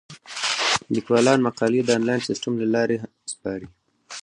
لیکوالان مقالې د انلاین سیستم له لارې سپاري.